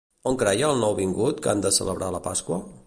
On creia el nouvingut que han de celebrar la Pasqua?